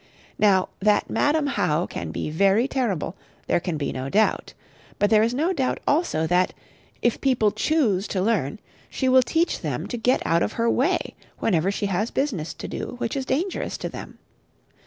Now, that Madam How can be very terrible there can be no doubt: but there is no doubt also that, if people choose to learn, she will teach them to get out of her way whenever she has business to do which is dangerous to them.